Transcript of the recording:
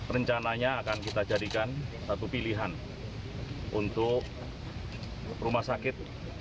rencananya akan kita jadikan satu pilihan untuk rumah sakit